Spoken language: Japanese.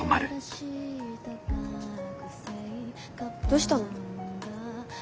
どうしたの？